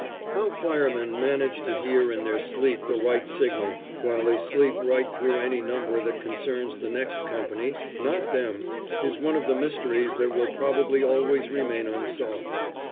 How firemen manage to hear in their sleep the right signal, while they sleep right through any number that concerns the next company, not them, is one of the mysteries that will probably always remain unsolved.